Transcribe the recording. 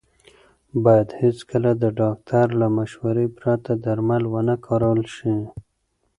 باید هېڅکله د ډاکټر له مشورې پرته درمل ونه کارول شي.